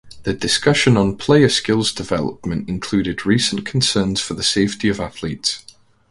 The discussion on player skills development included recent concerns for the safety for athletes.